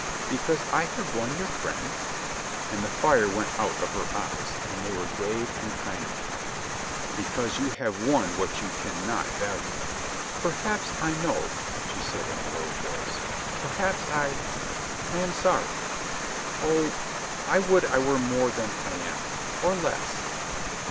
"Because I have won your friend?" And the fire went out of her eyes, and they were grave and kindly. "Because you have won what you can not value." "Perhaps I know," she said in a low voice. "Per haps I — I am sorry. ... Oh, I would I were more than I am, or less."